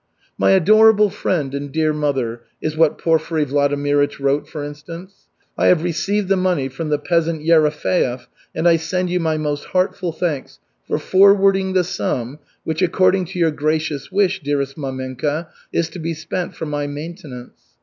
"My adorable friend and dear mother," is what Porfiry Vladimirych wrote, for instance, "I have received the money from the peasant Yerofeyev, and I send you my most heartfelt thanks for forwarding the sum, which, according to your gracious wish, dearest mamenka, is to be spent for my maintenance.